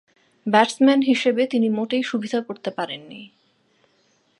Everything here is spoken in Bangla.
ব্যাটসম্যান হিসেবে তিনি মোটেই সুবিধে করতে পারেননি।